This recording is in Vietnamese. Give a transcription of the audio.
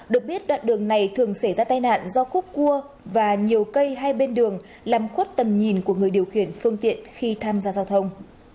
được biết đoạn đường này thường xảy ra tai nạn do khúc cua và nhiều cây hay bên đường làm khuất tầm nhìn của người điều khiển phương tiện khi tham gia giao thông